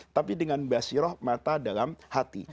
tapi dengan basiroh mata dalam hati